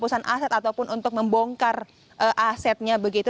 gagalnya lelang penghapusan aset ataupun untuk membongkar asetnya begitu